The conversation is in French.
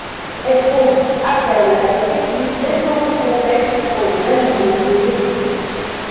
Elles font appel à des techniques nettement plus complexes pour les animaux et végétaux.